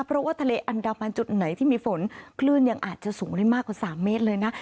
เพราะว่าทะเลอันดามันจุดไหนที่มีฝนคลื่นยังอาจจะสูงได้มากกว่า๓เมตรเลยนะ